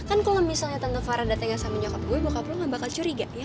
kan kalau misalnya tante farah datangin sama nyokap gue bokap lo gak bakal curiga ya